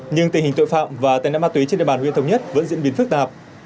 nhưng tình hình tội phạm và tệ nạn ma túy trên địa bàn huyện thống nhất vẫn diễn biến phức tạp